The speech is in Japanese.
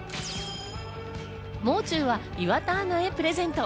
もう中は岩田アナへプレゼント。